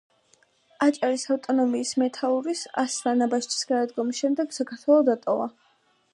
აჭარის ავტონომიის მეთაურის, ასლან აბაშიძის გადადგომის შემდეგ საქართველო დატოვა.